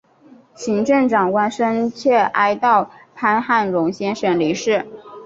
行政长官深切哀悼潘汉荣先生离世